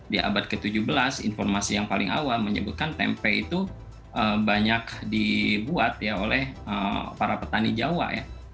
di abad ke tujuh belas informasi yang paling awal menyebutkan tempe itu banyak dibuat ya oleh para petani jawa ya